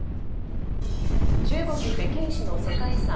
中国・北京市の世界遺産